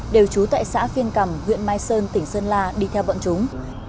đều chú tại xã phiêng cầm huyện mai sơn tỉnh sơn la đi theo bọn chúng